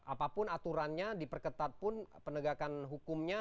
apapun aturannya diperketat pun penegakan hukumnya